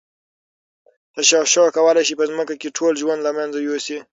تشعشع کولای شي په ځمکه کې ټول ژوند له منځه یوسي.